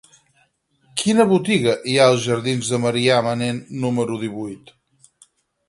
Quina botiga hi ha als jardins de Marià Manent número divuit?